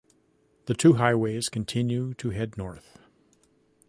The two highways continue to head north.